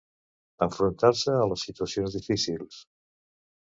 Enfrontar-se a les situacions difícils.